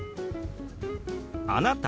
「あなた？」。